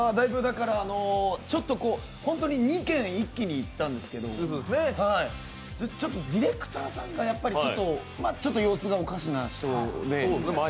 ちょっと本当に２軒一気に行ったんですけどちょっとディレクターさんが様子がおかしな人で。